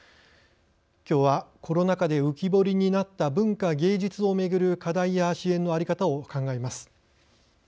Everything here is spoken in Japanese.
きょうはコロナ禍で浮き彫りになった文化芸術をめぐる課題や支援の在り方を考えます。